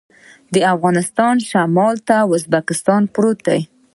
د افغانستان شمال ته ازبکستان پروت دی